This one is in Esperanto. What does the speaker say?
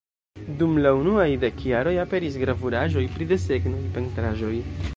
Dum la unuaj dek jaroj, aperis gravuraĵoj pri desegnoj, pentraĵoj.